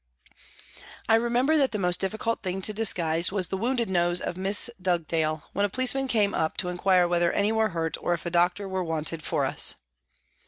I remember that the most difficult thing to disguise was the wounded nose of Miss Dugdale, when a policeman came up to inquire whether any were hurt or if a doctor were wanted for us.